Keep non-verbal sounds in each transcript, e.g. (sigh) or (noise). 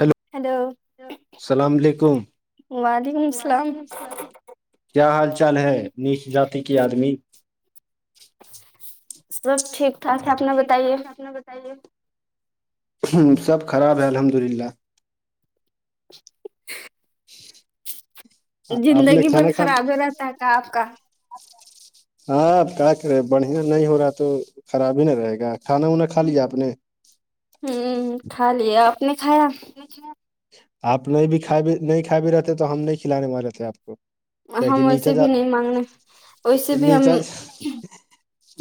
Hello hello السلام علیکم وعلیکم السلام کیا حال چال ہے نیچ جات کی آدمی سب ٹھیک (unintelligible) ٹھیک بتائیے اپنا بت سب خراب ہے الحمد اللہ (inaudible) آپ نے زندگی بھر خراب ہی رہتا ہے کیا آپ کا ہاںپ کیا کر رہے بڑھیا نہیں ہو رہا تو خراب ہی نہیں رہے گا کھانا وناا خا لیا آپ نے ہوں کھا لیا آپ نے کھایا آپ نہیں بھی کھا بھی نہیں کھا بھی رہےتے تو ہم نہیں کھلانے وال رہے تھے آپ کو کیا ہم کہ نیچا ویسے جا بھی نہیں مانگنے ویسے بھی ہم نیچا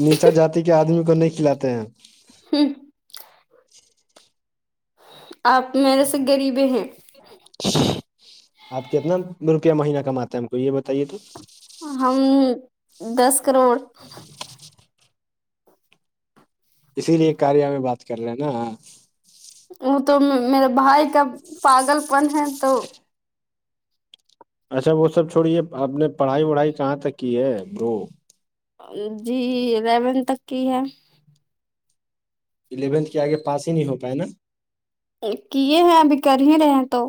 نیچا جات کے آدمی کو نہیں کھلاتے ہیں (inaudible) آپ میرے سے غریبیں ہیں آپ کتنا روپیہ مہینہ کماتے ہے ہم کو یہ بتائیے تو ہم دس کروڑ اسی لیے کاریا میں بات کر رہے ہیں نا وہ تو میرے بھائی کا پاگل پن ہے تو اچھا وہ سب چھوڑی ہے آپ نے پڑھائی وڑھائی کہاں تک کی ہے وہ جی الیون تک کی ہے الیونتھ کے آگے پاس ہی نہیں ہو پائے نا کیے ہیں ابھی کر ہی رہے ہیں تو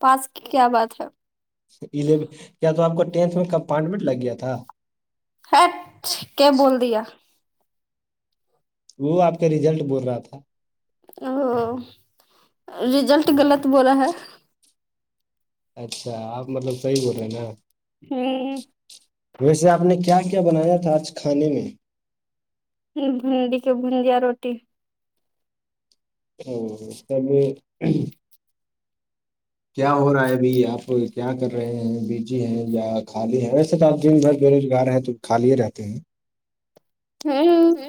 پاس کی کیا بات ہے کیا تو آپ کو ٹینتھ میں کمپارٹمنٹ لگ گیا تھا اچھ کیا بول دیا وہ آپ کا ریزلٹ بول رہا تھا او رزلٹ غلط بولا ہے اچھا آپ مطلب صحیح بول رہے ہیں نا ہوں ویسے آپ نے کیا کیا بنایا تھا آج کھانے میں بھنڈی کے بھجیا روٹی او اسب کیا ہو رہا ہے ابھی آپ کیا کر رہے ہیں بیجی ہے یا خالی ہے ویسے تو آپ دن بھر بے روزگار ہے تو کالیے رہتے ہیں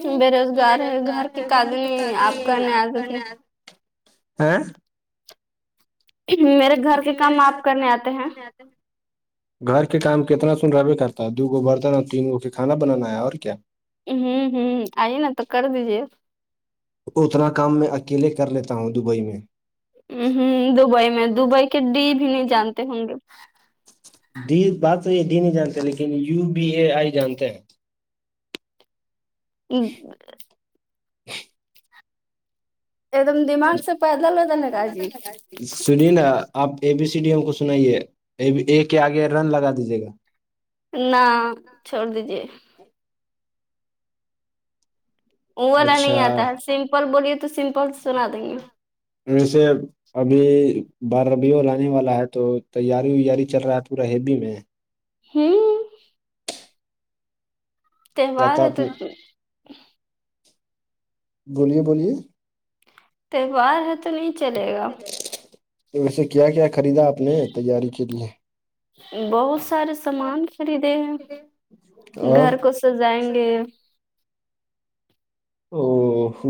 ہ بے روزگار ہے گھر کے قدمی آپ کرنے آتے تھے آاں میرے گھر کے کام آپ کرنے آتے ہیں گھر کے کام کتنا سن رہوے کرتا دو گو برتن اور تین گو کے کھانا بنانا ہے اور کیا ہوں ہوں آئیے نا تو کر دیجیے اتنا کام میں اکیلے کر لیتا ہوں دبئی میں ہ دبئی میں دبئی کے ڈی بھی نہیں جانتے ہوں گے ڈ بات تو یہ ڈی نہیں جانتے لیکن یو بی اے آئی جانتے ہیں ہ ایک دم دماگ سے پیدل ہوتا ن کا جی سنی نا آپ A B C D M کو سنائیے اے کے آگے رن لگا دیجیے گا نہ چھوڑ دیجیے ا والا نہیں اچھا آتا ہے سمپل بولیے تو سمپل سنا دیں گے ج سےے ابھی بارہب اور لانے والا ہے تو تیاری ویاری چل رہا ہے پورا ہیبی میں ہوں کیا تہوار تھا ہے آپ تو نے بولیے بولیے تہوار ہے تو نہیں چلے گا تو وسے کیا کیا خریدا اپ نے تیاری کے لیئے؟ بہت سارے سامان خریدے ہیں اور گھر کو سجائیں گے او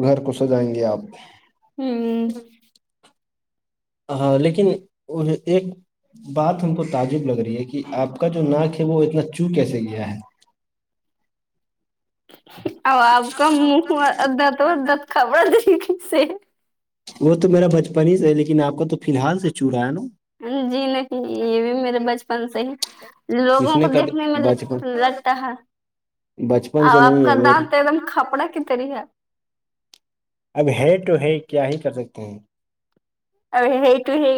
گھر کو سجائیں گے آپ ہوں ہاں لیکن ایک بات ہم کو تعجب لگ رہی ہے کہ کہ آپ کا جو ناک ہے وہ اتنا چو کیسے گیا ہے ا آپ کا منہ دت اور دت خبڑا دے کس سے وہ تو میرا بچپن ہی سے لیکن آپ کا تو فی الحال سے چور رہا ہے نا جی نہ کہ یہ بھی میرے بچپن سے ہی کس لوگوں نے کو کب دیکھنے میں بچپن لگتا ہے بچپن اب سے آپ نہیں کا ہے میرے دانت ایک دم کھپڑا کی طریح ہے اب ہے ٹو ہے کیا ہی کر سکتے ہیں ا آئیتو ہے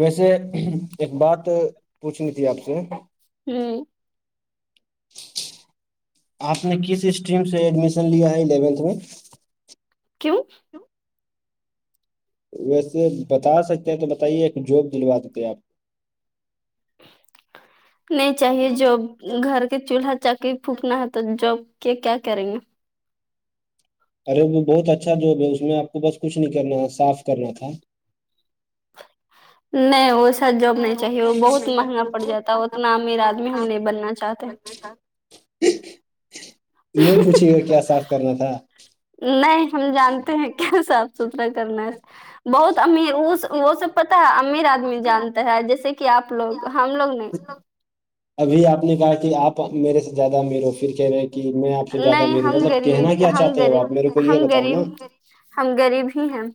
ویسے ایک بات پوچھنی تھی آپ سے ہ آپ نے کس اسٹریم سے ایڈمیشن لیا ہے الیونتھ میں کیوں ویسے بتا سکتے ہیں تو بتائیے ایک جاب دلوا دیتے آپ (inaudible) نہیں چاہیے ج گھر کے چولہا چکی پھکنا ہے تو جب کہ کیا کریں گے ارے وہ بہت اچھا جوب ہے اس میں آپ کو بس کچھ نہیں کرنا صاف کرنا تھا نہیں وہ سا جاب نہیں چاہیے وہ بہت مہنگا پڑ جاتا ہے اتنا امیر آدمی ہم نہیں بننا چاہتے نہیں پوچھے گ کیا صاف کرنا تھا نہیں ہم جانتے ہیں کیا صاف ستھرا کرنا بہت امیر اس وہ سب پتا ہے امیر آدمی جانتا ہے جیسے کہ آپ لوگ ہم لوگ نہیں ابھی آپ نے کہا کہ آپ میرے سے زیادہ میرو پک رہے کہ میں آپ سے زیادہ نہیں م ہم مطلب کہنا غریب کیا ہم چاہتے ہو غریب آپ میرے کو یہ ہم بتاؤ غریب نا ہم غریب ہی ہیں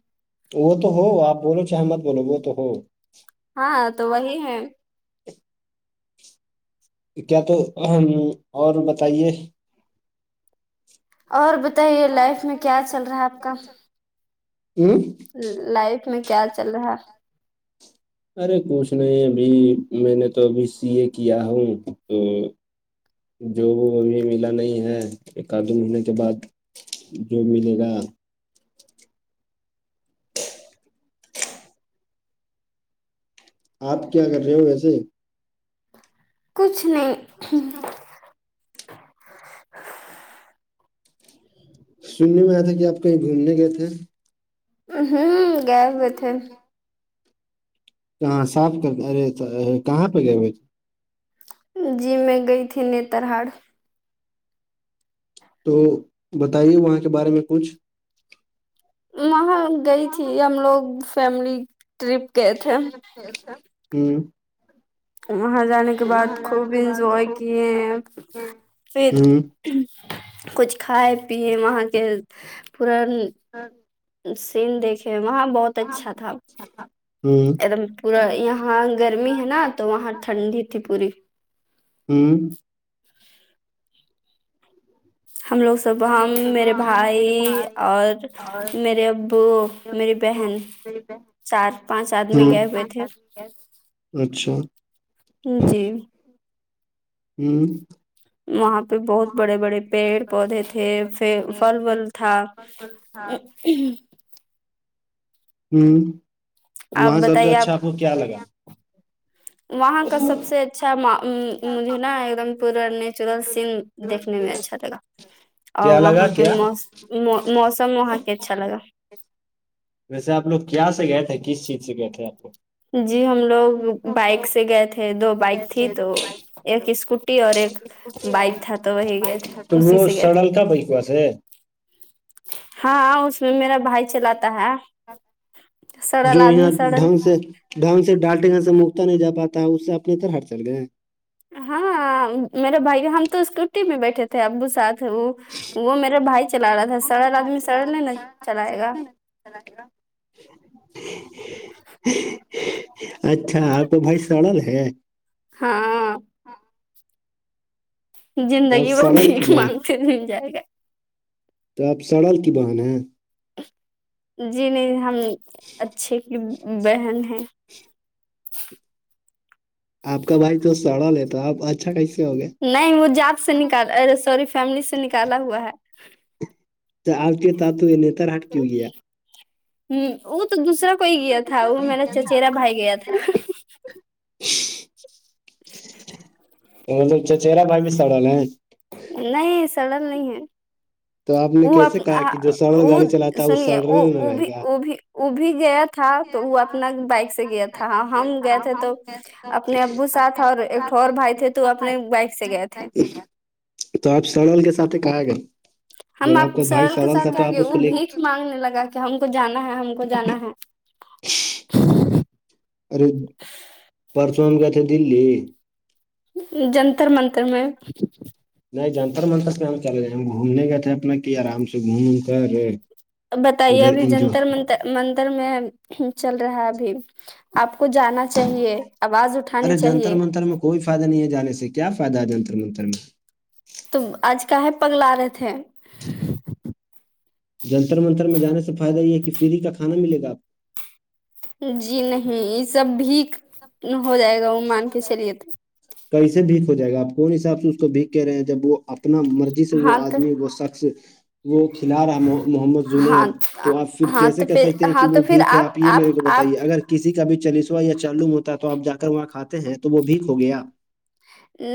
وہ تو ہو آپ بولو چحمت بولو وہ تو ہو ہاں تو وہی ہے کیا تو اور بتائیے اور بتائیے لائف میں کیا چل رہا ہے آپ کا ہوں لائف میں کیا چل رہا ہے ارے کچھ نہیں ابھی میں نے تو ابھی سی اے کیا ہوں تو جو وہ ابھی ملا نہیں ہے ایک آد دو مہینے کے بعد جو ملے گا آپ کیا کر رہے ہو ویسے کچھ نہیں (inaudible) سننے میں آیا تھا کہ آپ کہیں گھومنے گئے تھے ہیں ہوں گئے ہوئے تھے کہاں صاف کر ارے کہاں پہ گئے ہوئے جی میں گئی تھی نتر ہاڑ تو بتائیے وہاں کے بارے میں کچھ وہاں گئی تھی ہم لوگ فیملی ٹرپ گئے تھے (inaudible) (inaudible) وہاں جانے کے بعد خوب انجوائے کیے پھر ہوں کچھ کھائے پیے وہاں کے پورن سین دیکھے وہاں بہت اچھا تھا (inaudible) ایک دم پورا یہاں گرمی ہے نا تو وہاں ٹھنڈی تھی پوری ہوں ہم لوگ سب ہم میرے بھائی اور میرے ابو میری بہن چار پانچ آدمی ہوں گئے ہوئے تھے اچھا جی ہوں وہاں پہ بہت بڑے بڑے پیڑ پودے تھے فل ول تھا (inaudible) ہوں آپ وہاں سب سے بتائیے اچھا آپ کو کیا لگا وہاں کا سب سے اچھا مجھے نا ایک دم پورا نیچرل سین دیکھنے میں اچھا لگا کیا اور لگا وہاں کے کیا مو موسم وہاں کے اچھا لگا ویسے آپ لوگ کیا سے گئے تھے کس چیز سے گئے تھے آ لوگ جی ہم لوگ بائک سے گئے تھے دو بائک تھی تو ایک اسکو گئے تھے تو اسی وہ سے گئے تھے سڑل تھا بھائی پاس ہے ہاں اس میں میرا بھائی چلاتا ہے جو سڑل یہاں آدمی سڑل ڈھنگ سے ڈھنگ سے ڈالٹے گ سے مکتا نہیں جا پاتا ہے اس سے اپنے طرح ہر چل گئے ہیں ہاں میرے بھائی ہم تو اسکوٹی میں بیٹھے تھے ابو ساتھ وہ وہ میرا بھائی چلا رہا تھا سڑل آدمی سڑل نہیں ن چلائے گا گا اچھا آپ کو بھائی سرل ہے ہاں تو آپ زندگی سڑل کی بیک مان بہن سے جل جائے گا تو آپ سڑک کی بہن ہیں جی نہیں ہم اچھے کی بہن ہیں آپ کا بھائی تو سڑا لیتا آپ اچھا کیسے ہوگے نہیں وہ جاات سے نکال سوری فیملی سے نکالا ہوا ہے کے تو یہ نیتار ہٹ کی ہو گیا ہے وہ تو دوسرا کوئی گیا تھا وہ میرا چچیرا بھائی گیا تھا وہ چچہرا بائی بستاڑ نہیں سرل نہیں ہے تو آپ نے وہ کیسے کہا کہ جو سڑل وہ گاڑی چلاتا ہے وہ سنیے سڑل میں رہے بھی گا وہ بھی وہ بھی گیا تھا تو وہ اپنا بائک سے گیا تھا ہم گئے تھے تو اپنے ابو ساتھ اور اور بھائی تھے تو اپنے بائک سے گئے تھے تو آپ سرل کے سات کہاں گئے ہم جب آپ کا بھائی سرل کے سڑل تھا ساتھ کیا تو آ آپ گئے اس وہ کو لے بھیھ مانگنے لگا ہم کو جانا ہے ہم کو جانا ہے ارے پرس میں گئے تھے دلی جنتر منتر میں نہیں جنتر منتر سے ہم چلے ہم گھومنے گئے تھے اپنا کی آرام سے گھوم ام کر بتائیے ادھر ابھی انجو جنتر منتر متر میں چل رہا ہے ابھی آپ کو جانا چاہیے آواز اٹھانی ارے جنتر چاہیے منتر میں کوئی فائدہ نہیں ہے جان سے کیا فائد ہے جنتر منتر میں تو آج کا ہے پگ رہے تھے جنتر منتر میں جانے سے فائدہ یہ ہے کہ فری کا کھانا ملے گا کو جی نہیں یہ سب بھی ہو جائے گا وہ مان کے چلیے تو کیسے بھیک ہو جائے گا آپ کون حساب سے اس کو بھیک کہہ رہے ہیں جب وہ اپنا مرضی سے وہ ہاں تو آدمی وہ شخص وہ کھلا رہا ہے محمد ہاں زنید تو آپ پھر ہاں کیسے تو کر پھر سکتے ہیں کہ ہاں وہ تو پھر بھیھیک ہے آپ یہ میرے کو آپ بتائیے اگر کسی کا بھی چلیسوا یا چالوم ہوتا تو آپ جا کر وہاں کھاتے ہیں تو وہ بھیھیک ہو گیا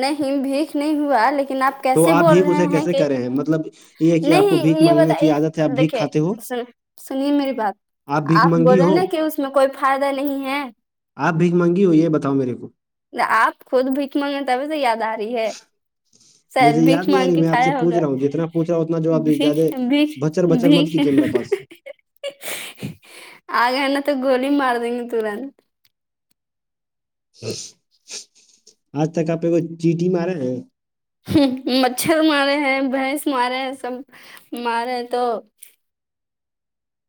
نہیں بھیھیک نہیں ہوا لیکن آپ تو کیسے بول بھیک رہے اسے ہیں کیسے کہ کرے مطلب یہ ہے کہ آپ کو نہیں بھیک یہ مانگنے کی عادت ہے بت آپ بھیک دیکھے کھاتے ہو س سنیے میری بات بھیک آپ مانگی بول ہو رہے نا کہ اس میں کوئی فائدہ نہیں ہے آپ بھیگ مانگی ہو یہ بتاؤ میرے کو آپ خود بھیھک مگے تبھی سے یاد آ رہی ہے مجھے شاید یاد بھیک نہیں آ مانگ رہی کے میں آ کھایا سے پوچ ہوگا رہا ہوں جتنا پوچ رہا ہوں اتنا جو آب زیادہ بھیک بھیک بچر بچر مت بھیک کیجیے میرے پاس (unintelligible) نا تو گولی مار دیں گے تورنت آج تک آپ کو چیٹی مارے ہیں مچھر مارے ہیں بھینس مارے ہیں سب مارے ہیں تو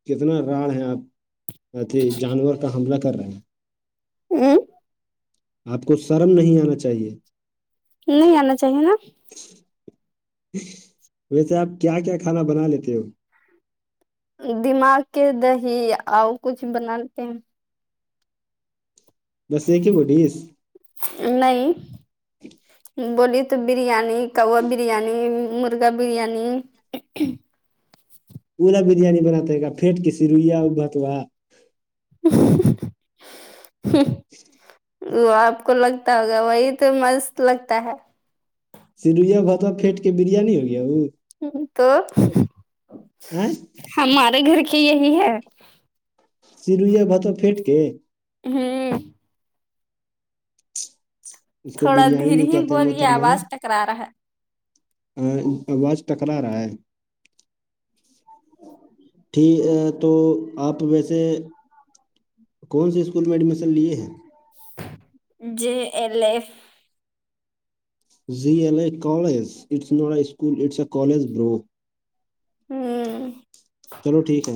کتنا راڑ ہے آپ اھی جانور کا حملہ کر رہے ہیں اوں آپ کو شرم نہیں آنا چاہیے نہیں آنا چاہیے نا ویسے آپ کیا کیا کھانا بنا لیتے ہو دماغ کے دہی اور کچھ بناتے ہیں بس ایک کی کوو ڈس نہیں بولی تو بریانی کوا برییاانی مرغا بریانی ا (unintelligible) اولا بریانی بناتا ہے گا پنٹ کی سرویا بتا ہ (unintelligible) وہ آپ کو لگتا ہوگا وہی تو مست لگتا ہے سرویا بھتوا پھیٹ کے بریانی ہو گیا وہ ہ تو ا (unintelligible) ہمارے گھر کی یہی ہے سیرو یہ بات پھیٹ کے ہوں کو تھوڑا بریانی در نہیں ہی کہتے بول یہ محترما آواز ٹکرا رہا ہے آواز ٹکرا رہا ہے ٹھ تو آپ ویسے کون سے اسکول میں ایڈمیشن لیے ہیں جے ایل ایف ز ایل ا کالجٹس نٹ اسکولٹس ا کالج برو ہوں چلو ٹھیک ہے